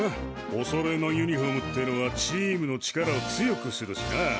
おそろいのユニフォームってのはチームの力を強くするしな。